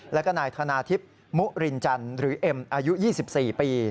แล้วก็นายธนาทิพย์มุรินจันทร์หรือเอ็มอายุ๒๔ปี